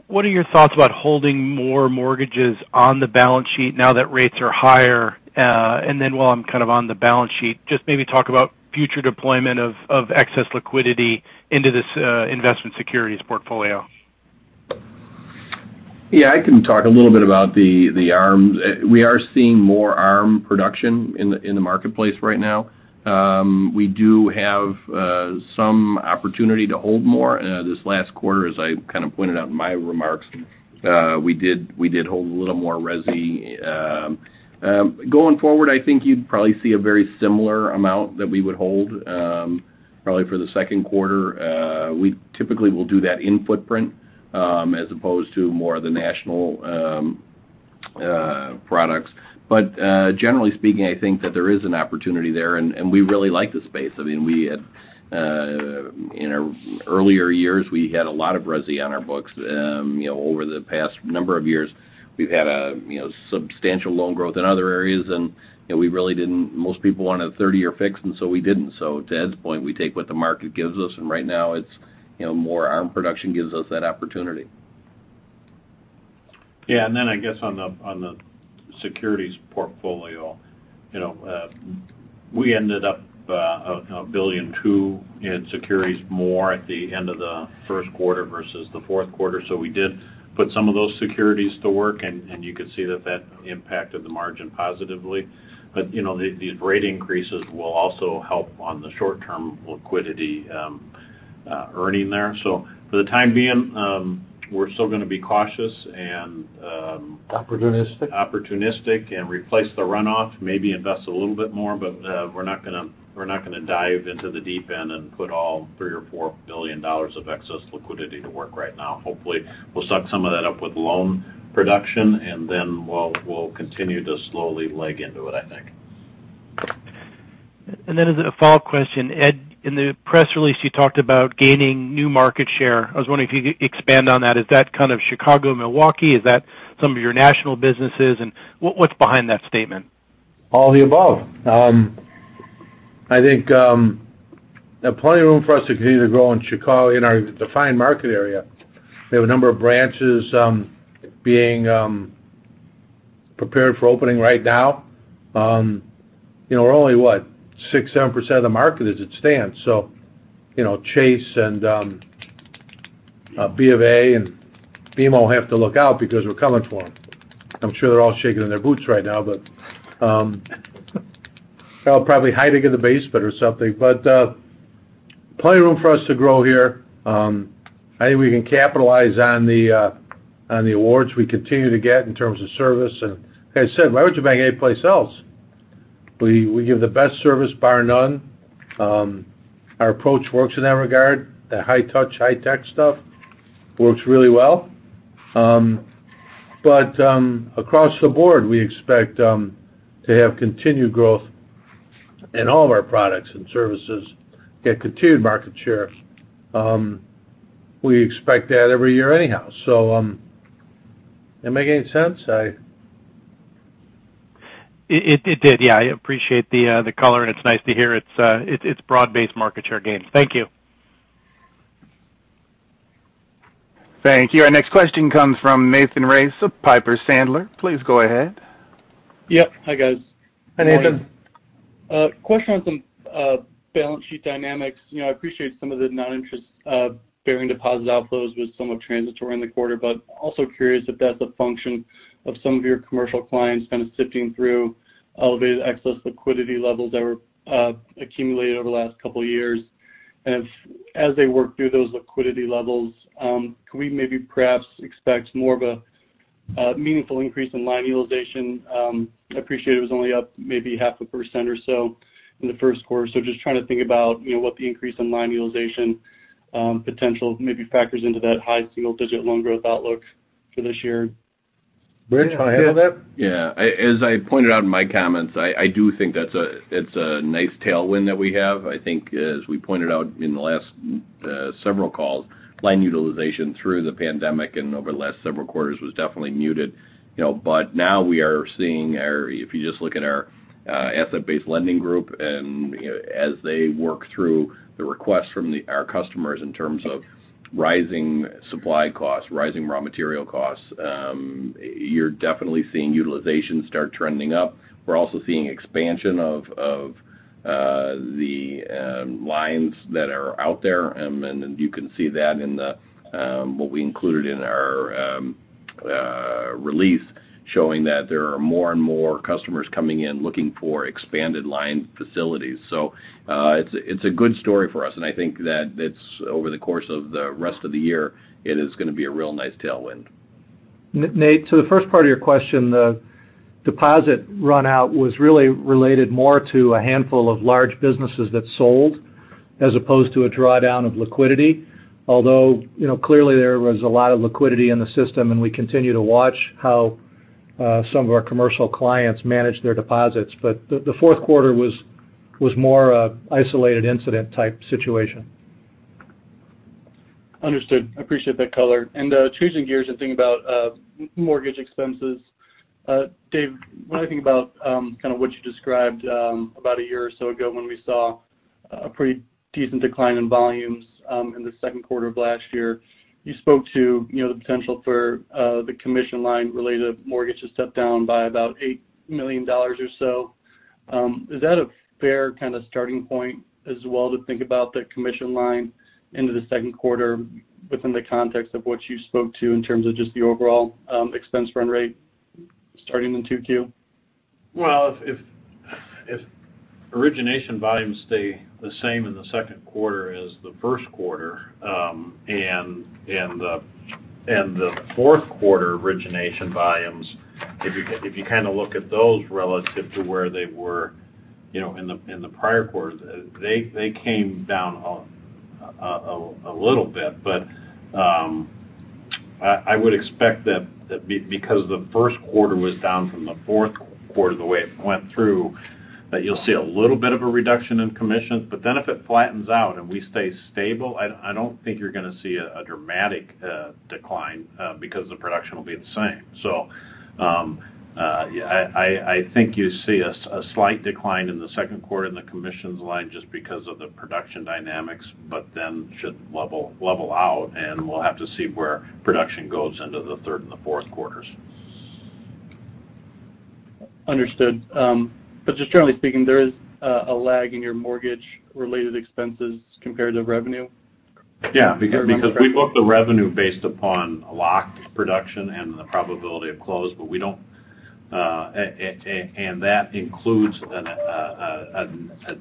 What are your thoughts about holding more mortgages on the balance sheet now that rates are higher? While I'm kind of on the balance sheet, just maybe talk about future deployment of excess liquidity into this investment securities portfolio. Yeah, I can talk a little bit about the ARMs. We are seeing more ARM production in the marketplace right now. We do have some opportunity to hold more. This last quarter, as I kind of pointed out in my remarks, we did hold a little more resi. Going forward, I think you'd probably see a very similar amount that we would hold, probably for the second quarter. We typically will do that in footprint, as opposed to more of the national products. Generally speaking, I think that there is an opportunity there, and we really like the space. I mean, we had in our earlier years, we had a lot of resi on our books. You know, over the past number of years, we've had a you know substantial loan growth in other areas, and you know we really didn't. Most people wanted a 30-year fix, and so we didn't. To Ed's point, we take what the market gives us, and right now it's you know more ARM production gives us that opportunity. Yeah. Then I guess on the securities portfolio. You know, we ended up $1.2 billion in securities more at the end of the first quarter versus the fourth quarter. So we did put some of those securities to work, and you could see that impacted the margin positively. But you know, these rate increases will also help on the short-term liquidity earning there. So for the time being, we're still gonna be cautious and Opportunistic. Opportunistic and replace the runoff, maybe invest a little bit more. But we're not gonna dive into the deep end and put all $3 billion or $4 billion of excess liquidity to work right now. Hopefully, we'll suck some of that up with loan production, and then we'll continue to slowly leg into it, I think. As a follow-up question. Ed, in the press release, you talked about gaining new market share. I was wondering if you could expand on that. Is that kind of Chicago, Milwaukee? Is that some of your national businesses? What, what's behind that statement? All the above. I think, there's plenty room for us to continue to grow in Chicago in our defined market area. We have a number of branches being prepared for opening right now. You know, we're only what? 6%-7% of the market as it stands. You know, Chase and Bank of America and BMO have to look out because we're coming for them. I'm sure they're all shaking in their boots right now. They're all probably hiding in the basement or something. Plenty room for us to grow here. I think we can capitalize on the awards we continue to get in terms of service. Like I said, why would you bank anyplace else? We give the best service, bar none. Our approach works in that regard. The high touch, high tech stuff works really well. Across the board, we expect to have continued growth in all of our products and services, get continued market shares. We expect that every year anyhow. That make any sense? I. It did, yeah. I appreciate the color, and it's nice to hear it's broad-based market share gains. Thank you. Thank you. Our next question comes from Nathan Race of Piper Sandler. Please go ahead. Yep. Hi, guys. Hi, Nathan. Question on some balance sheet dynamics. You know, I appreciate some of the non-interest bearing deposit outflows was somewhat transitory in the quarter, but also curious if that's a function of some of your commercial clients kind of sifting through elevated excess liquidity levels that were accumulated over the last couple of years. If as they work through those liquidity levels, can we maybe perhaps expect more of a meaningful increase in line utilization? I appreciate it was only up maybe 0.5% or so in the first quarter. Just trying to think about, you know, what the increase in line utilization potential maybe factors into that high single digit loan growth outlook for this year. Rich, want to handle that? Yeah. As I pointed out in my comments, I do think it's a nice tailwind that we have. I think, as we pointed out in the last several calls, line utilization through the pandemic and over the last several quarters was definitely muted, you know. Now we are seeing, if you just look at our asset-based lending group and, you know, as they work through the requests from our customers in terms of rising supply costs, rising raw material costs, you're definitely seeing utilization start trending up. We're also seeing expansion of the lines that are out there. You can see that in what we included in our release showing that there are more and more customers coming in looking for expanded line facilities. It's a good story for us, and I think that it's over the course of the rest of the year, it is gonna be a real nice tailwind. Nate, to the first part of your question, the deposit run out was really related more to a handful of large businesses that sold as opposed to a drawdown of liquidity. Although, you know, clearly, there was a lot of liquidity in the system, and we continue to watch how some of our commercial clients manage their deposits. The fourth quarter was more an isolated incident type situation. Understood. Appreciate that color. Changing gears and thinking about mortgage expenses. Dave, when I think about kind of what you described about a year or so ago when we saw a pretty decent decline in volumes in the second quarter of last year, you spoke to, you know, the potential for the commission line related mortgages to step down by about $8 million or so. Is that a fair kind of starting point as well to think about the commission line into the second quarter within the context of what you spoke to in terms of just the overall expense run rate starting in 2Q? Well, if origination volumes stay the same in the second quarter as the first quarter and the fourth quarter origination volumes, if you kind of look at those relative to where they were, you know, in the prior quarters, they came down a little bit. I would expect that because the first quarter was down from the fourth quarter, the way it went through, that you'll see a little bit of a reduction in commissions. If it flattens out and we stay stable, I don't think you're gonna see a dramatic decline because the production will be the same. I think you see a slight decline in the second quarter in the commissions line just because of the production dynamics, but then should level out, and we'll have to see where production goes into the third and the fourth quarters. Understood. Just generally speaking, there is a lag in your mortgage related expenses compared to revenue? Yeah. Or number of- Because we book the revenue based upon locked production and the probability of close, but we don't. And that includes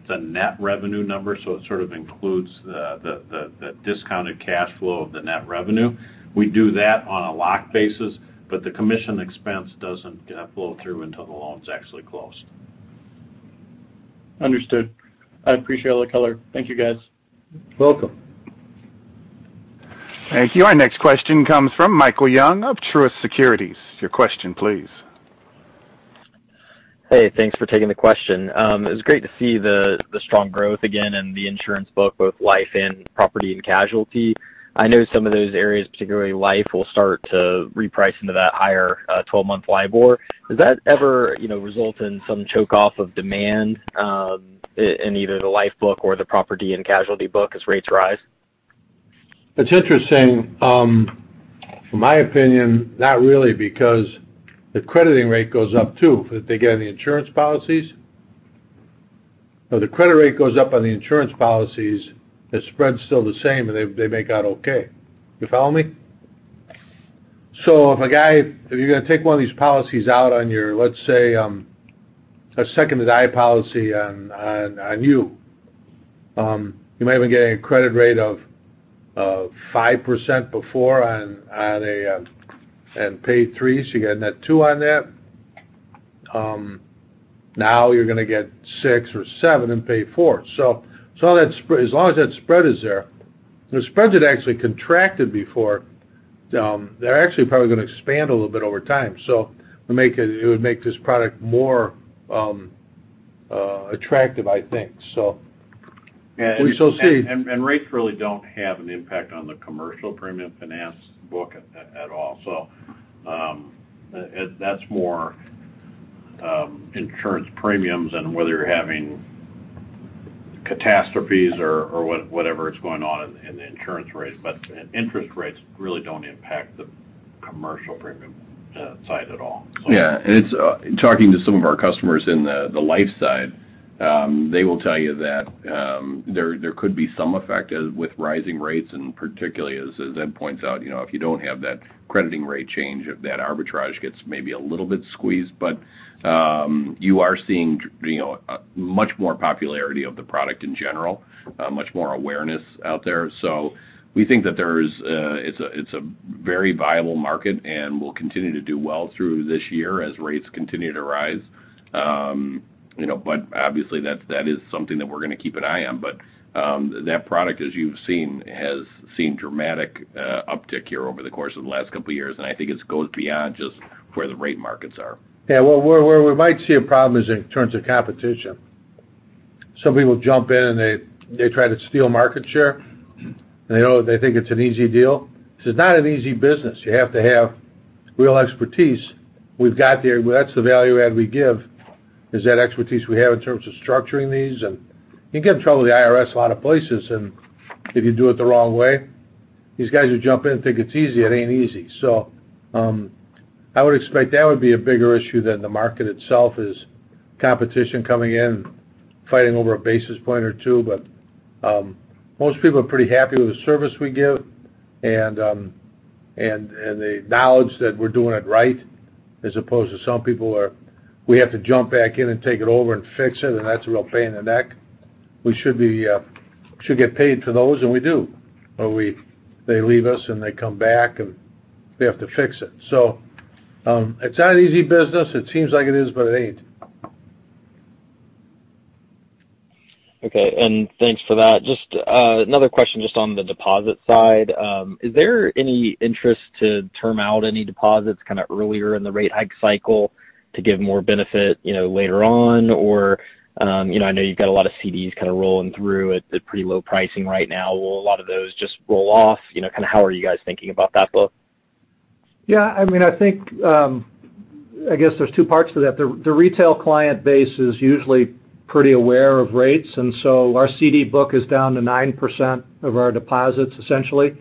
a net revenue number, so it sort of includes the discounted cash flow of the net revenue. We do that on a locked basis, but the commission expense doesn't flow through until the loan's actually closed. Understood. I appreciate all the color. Thank you, guys. Welcome. Thank you. Our next question comes from Michael Young of Truist Securities. Your question, please. Hey, thanks for taking the question. It was great to see the strong growth again in the insurance book, both life and property and casualty. I know some of those areas, particularly life, will start to reprice into that higher 12-month LIBOR. Does that ever, you know, result in some choke off of demand in either the life book or the property and casualty book as rates rise? It's interesting. In my opinion, not really because the crediting rate goes up, too. If the crediting rate goes up on the insurance policies, the spread's still the same and they make out okay. You follow me? If you're gonna take one of these policies out on your, let's say, a second-to-die policy on you may have been getting a crediting rate of 5% before and paid 3%, so you're getting net 2% on that. Now you're gonna get 6 or 7 and pay 4%. As long as that spread is there. The spreads had actually contracted before. They're actually probably going to expand a little bit over time. It would make this product more attractive, I think so. We shall see. rates really don't have an impact on the commercial premium finance book at all. That's more insurance premiums and whether you're having catastrophes or whatever is going on in the insurance rate. Interest rates really don't impact the commercial premium side at all. Yeah. It's in talking to some of our customers in the life side, they will tell you that there could be some effect as with rising rates, and particularly as Ed points out, you know, if you don't have that crediting rate change, if that arbitrage gets maybe a little bit squeezed. You are seeing, you know, much more popularity of the product in general, much more awareness out there. We think that it's a very viable market, and we'll continue to do well through this year as rates continue to rise. You know, but obviously that is something that we're going to keep an eye on. That product, as you've seen, has seen dramatic uptick here over the course of the last couple of years, and I think it goes beyond just where the rate markets are. Yeah. Well, where we might see a problem is in terms of competition. Some people jump in and they try to steal market share. They think it's an easy deal. This is not an easy business. You have to have real expertise. That's the value add we give, is that expertise we have in terms of structuring these. You get in trouble with the IRS a lot of places, and if you do it the wrong way, these guys who jump in think it's easy. It ain't easy. I would expect that would be a bigger issue than the market itself is competition coming in, fighting over a basis point or two. Most people are pretty happy with the service we give and the knowledge that we're doing it right as opposed to some people are. We have to jump back in and take it over and fix it, and that's a real pain in the neck. We should get paid for those, and we do. They leave us, and they come back, and we have to fix it. It's not an easy business. It seems like it is, but it ain't. Okay. Thanks for that. Just another question just on the deposit side. Is there any interest to term out any deposits kind of earlier in the rate hike cycle to give more benefit, you know, later on? Or, you know, I know you've got a lot of CDs kind of rolling through at pretty low pricing right now. Will a lot of those just roll off? You know, kind of how are you guys thinking about that book? Yeah, I mean, I think I guess there's two parts to that. The retail client base is usually pretty aware of rates, and so our CD book is down to 9% of our deposits, essentially.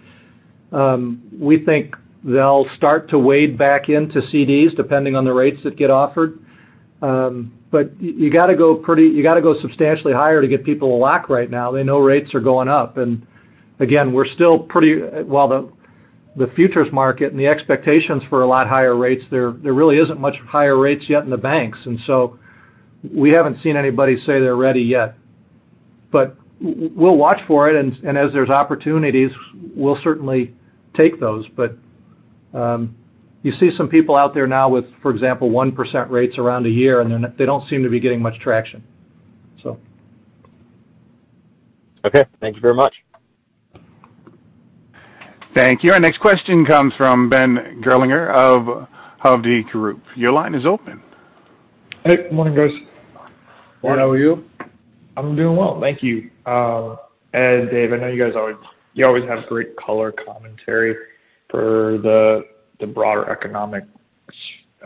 We think they'll start to wade back into CDs depending on the rates that get offered. You got to go substantially higher to get people to lock right now. They know rates are going up. Again, we're still pretty. While the futures market and the expectations for a lot higher rates there, really there isn't much higher rates yet in the banks. So we haven't seen anybody say they're ready yet. We'll watch for it, and as there's opportunities, we'll certainly take those. You see some people out there now with, for example, 1% rates around a year, and they don't seem to be getting much traction. Okay. Thank you very much. Thank you. Our next question comes from Benjamin Gerlinger of Hovde Group. Your line is open. Hey. Good morning, guys. Good morning. How are you? I'm doing well. Thank you. Ed, Dave, I know you guys always you always have great color commentary for the broader economic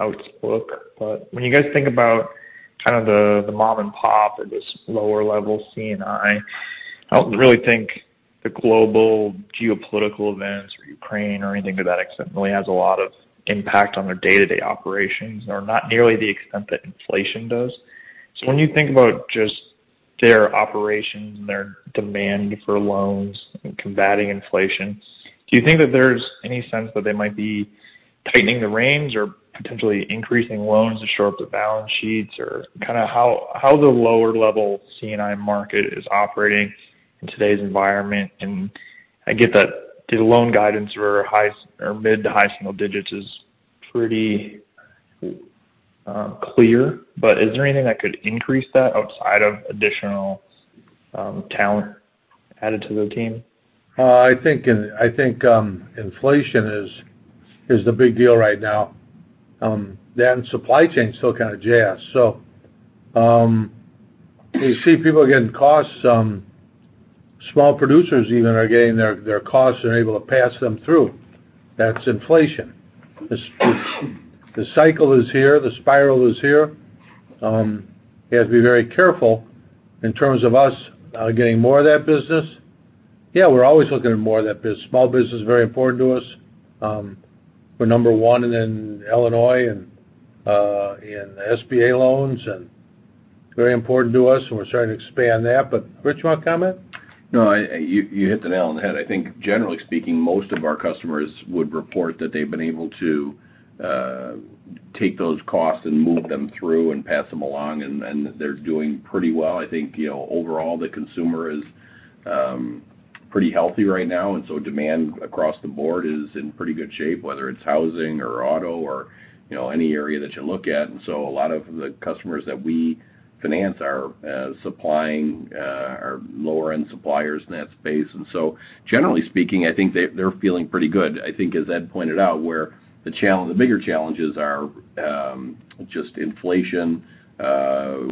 outlook. When you guys think about kind of the mom and pop or just lower level C&I don't really think the global geopolitical events or Ukraine or anything to that extent really has a lot of impact on their day-to-day operations or not nearly the extent that inflation does. Yeah. When you think about just their operations and their demand for loans and combating inflation, do you think that there's any sense that they might be tightening the reins or potentially increasing loans to shore up the balance sheets? Or kind of how the lower level C&I market is operating in today's environment? I get that the loan guidance for high or mid to high single digits is pretty clear. Is there anything that could increase that outside of additional talent added to the team? I think inflation is the big deal right now. Supply chain's still kind of jacked. You see people getting costs, small producers even are getting their costs and are able to pass them through. That's inflation. The cycle is here. The spiral is here. You have to be very careful in terms of us getting more of that business. Yeah, we're always looking at more of that biz. Small business is very important to us. We're number one in Illinois and in SBA loans and very important to us, and we're starting to expand that. Rich, you want to comment? No. You hit the nail on the head. I think generally speaking, most of our customers would report that they've been able to take those costs and move them through and pass them along, and then they're doing pretty well. I think, you know, overall, the consumer is pretty healthy right now, and so demand across the board is in pretty good shape, whether it's housing or auto or, you know, any area that you look at. A lot of the customers that we finance are lower-end suppliers in that space. Generally speaking, I think they're feeling pretty good. I think as Ed pointed out, the bigger challenges are just inflation,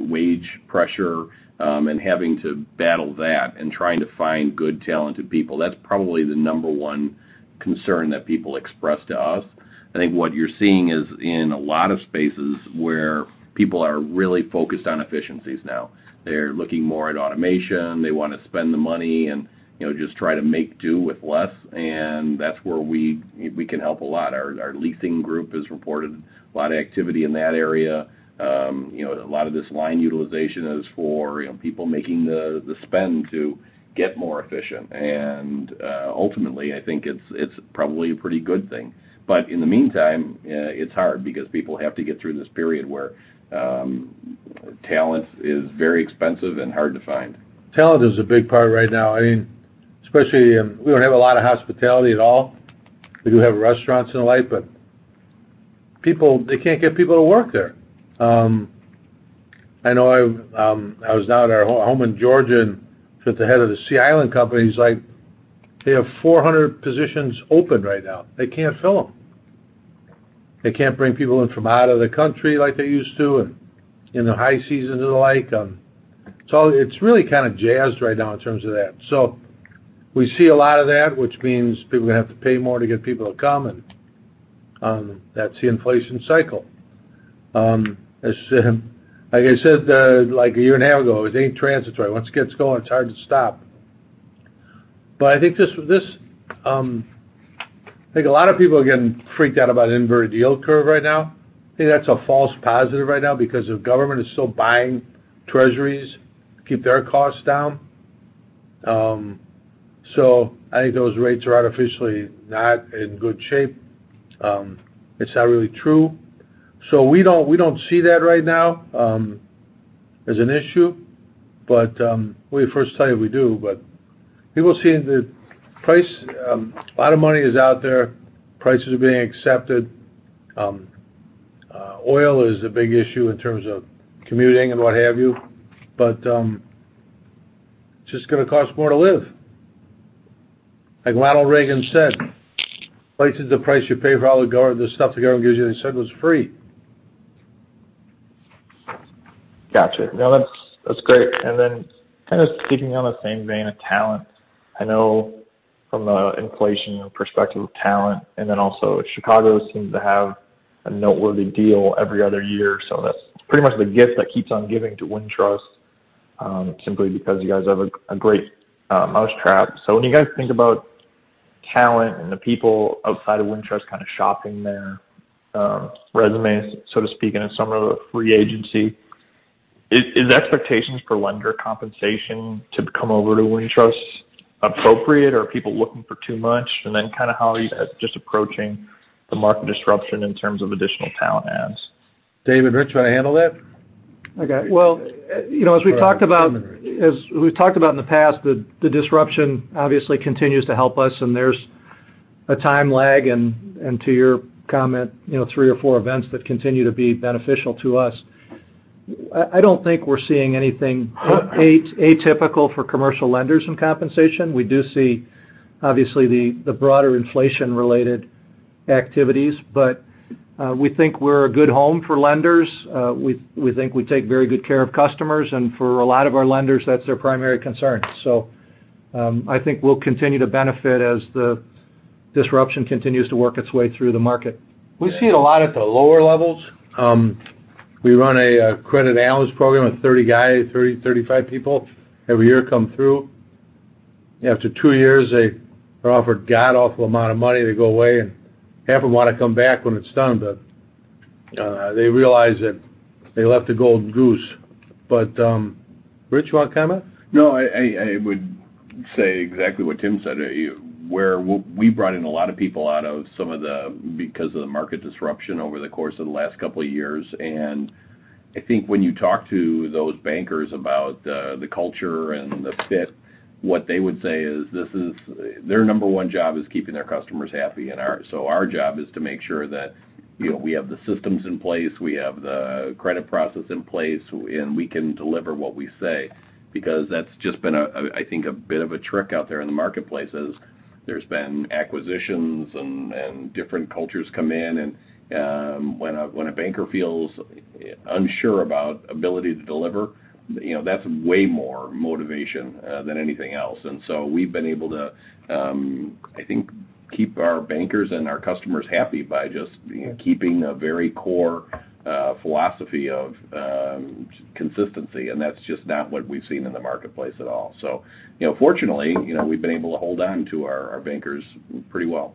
wage pressure, and having to battle that and trying to find good, talented people. That's probably the number one concern that people express to us. I think what you're seeing is in a lot of spaces where people are really focused on efficiencies now. They're looking more at automation. They wanna spend the money and, you know, just try to make do with less. That's where we can help a lot. Our leasing group has reported a lot of activity in that area. You know, a lot of this line utilization is for, you know, people making the spend to get more efficient. Ultimately, I think it's probably a pretty good thing. In the meantime, it's hard because people have to get through this period where talent is very expensive and hard to find. Talent is a big part right now. I mean, especially, we don't have a lot of hospitality at all. We do have restaurants and the like, but people, they can't get people to work there. I know I've, I was down at our home in Georgia and sat with the head of the Sea Island Company. He's like, they have 400 positions open right now. They can't fill them. They can't bring people in from out of the country like they used to, and in the high seasons and the like. So it's really kind of jazzed right now in terms of that. So we see a lot of that, which means people are gonna have to pay more to get people to come, and, that's the inflation cycle. As, like I said, like a year and a half ago, it ain't transitory. Once it gets going, it's hard to stop. I think a lot of people are getting freaked out about inverted yield curve right now. I think that's a false positive right now because the government is still buying treasuries to keep their costs down. I think those rates are artificially not in good shape. It's not really true. We don't see that right now as an issue. We first tell you we do, but people see the price, a lot of money is out there. Prices are being accepted. Oil is a big issue in terms of commuting and what have you, but it's just gonna cost more to live. Like Ronald Reagan said, price is the price you pay for all the stuff the government gives you they said was free. Gotcha. No, that's great. Kind of keeping on the same vein of talent. I know from the inflation perspective of talent, and then also Chicago seems to have a noteworthy deal every other year. That's pretty much the gift that keeps on giving to Wintrust, simply because you guys have a great mousetrap. When you guys think about talent and the people outside of Wintrust kind of shopping their resumes, so to speak, in a summer free agency, is expectations for lender compensation to come over to Wintrust appropriate, or are people looking for too much? Kind of how are you guys just approaching the market disruption in terms of additional talent adds? Dave and Rich, wanna handle that? Okay. Well, you know, as we talked about. Go ahead, Rich. As we've talked about in the past, the disruption obviously continues to help us, and there's a time lag, to your comment, you know, three or four events that continue to be beneficial to us. I don't think we're seeing anything atypical for commercial lenders in compensation. We do see, obviously, the broader inflation-related activities, but we think we're a good home for lenders. We think we take very good care of customers, and for a lot of our lenders, that's their primary concern. I think we'll continue to benefit as the disruption continues to work its way through the market. We see it a lot at the lower levels. We run a credit analyst program with 35 people every year come through. After two years, they are offered god-awful amount of money to go away, and half of them wanna come back when it's done, but they realize that they left the golden goose. Rich, you wanna comment? No, I would say exactly what Tim said, where we brought in a lot of people because of the market disruption over the course of the last couple of years. I think when you talk to those bankers about the culture and the fit, what they would say is this is their number one job is keeping their customers happy. Our job is to make sure that, you know, we have the systems in place, we have the credit process in place, and we can deliver what we say. Because that's just been a bit of a trick out there in the marketplace, is there's been acquisitions and different cultures come in. When a banker feels unsure about ability to deliver, you know, that's way more motivation than anything else. We've been able to, I think, keep our bankers and our customers happy by just keeping a very core philosophy of consistency, and that's just not what we've seen in the marketplace at all. Fortunately, you know, we've been able to hold on to our bankers pretty well.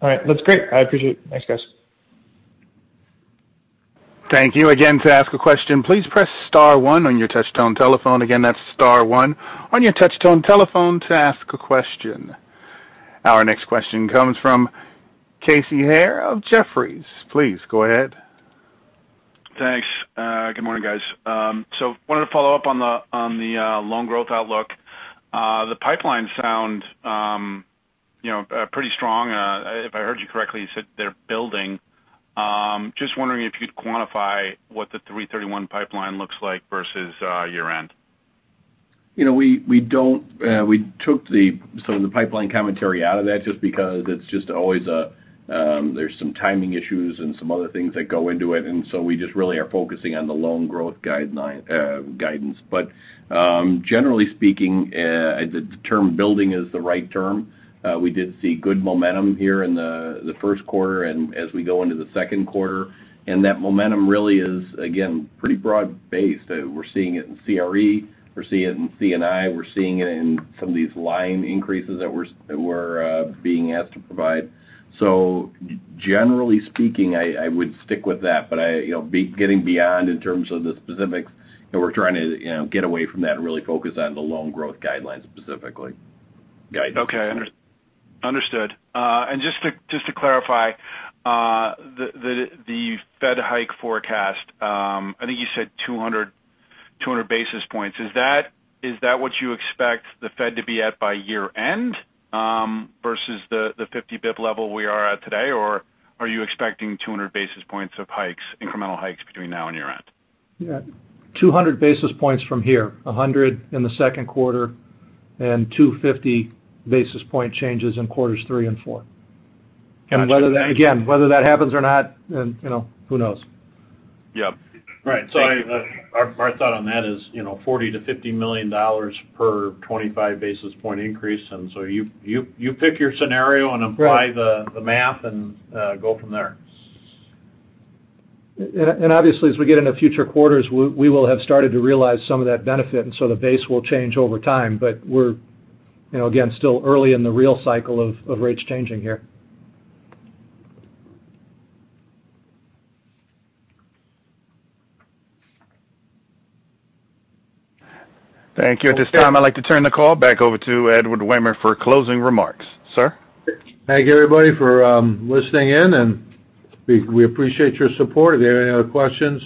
All right. That's great. I appreciate it. Thanks, guys. Our next question comes from Casey Haire of Jefferies. Please go ahead. Thanks. Good morning, guys. Wanted to follow up on the loan growth outlook. The pipeline sounds pretty strong. You know, if I heard you correctly, you said they're building. Just wondering if you'd quantify what the 3/31 pipeline looks like versus year end. You know, we don't we took some of the pipeline commentary out of that just because it's just always a, there's some timing issues and some other things that go into it. We just really are focusing on the loan growth guidance. Generally speaking, the term building is the right term. We did see good momentum here in the first quarter and as we go into the second quarter. That momentum really is, again, pretty broad-based. We're seeing it in CRE, we're seeing it in C&I, we're seeing it in some of these line increases that we're being asked to provide. Generally speaking, I would stick with that. you know, we're getting beyond in terms of the specifics, and we're trying to, you know, get away from that and really focus on the loan growth guidance, specifically. Okay. Understood. Just to clarify, the Fed hike forecast, I think you said 200 basis points. Is that what you expect the Fed to be at by year end, versus the 50 bp level we are at today? Or are you expecting 200 basis points of hikes, incremental hikes between now and year end? Yeah. 200 basis points from here. 100 in the second quarter and 250 basis point changes in quarters three and four. Got you. Whether that happens or not, and, you know, who knows? Yeah. Right. Our thought on that is, you know, $40 million-$50 million per 25 basis point increase. You pick your scenario and apply. Right. The math and go from there. Obviously, as we get into future quarters, we will have started to realize some of that benefit, so the base will change over time. We're, you know, again, still early in the real cycle of rates changing here. Thank you. At this time, I'd like to turn the call back over to Edward Wehmer for closing remarks. Sir. Thank you, everybody, for listening in, and we appreciate your support. If you have any other questions,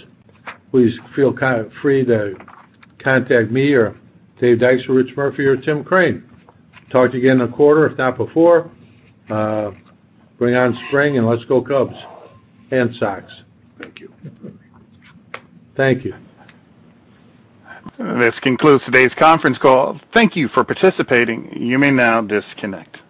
please feel free to contact me or Dave Dykstra or Rich Murphy or Tim Crane. Talk to you again in a quarter, if not before. Bring on spring, and let's go Cubs and Sox. Thank you. Thank you. This concludes today's conference call. Thank you for participating. You may now disconnect.